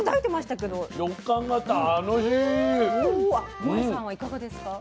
もえさんはいかがですか？